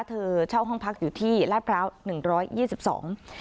เธอเช่าห้องพักอยู่ที่ลาดพร้าวหนึ่งร้อยยี่สิบสอง